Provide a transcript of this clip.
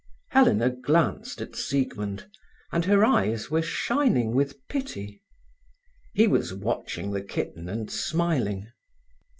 Helena glanced at Siegmund, and her eyes were shining with pity. He was watching the kitten and smiling.